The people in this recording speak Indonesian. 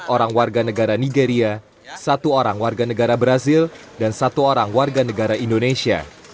empat orang warga negara nigeria satu orang warga negara brazil dan satu orang warga negara indonesia